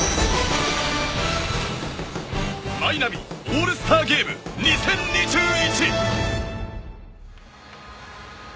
マイナビオールスターゲーム２０２１。